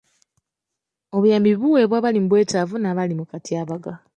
Obuyambi buweebwa abali mu bwetaavu n' abali mu katyabaga.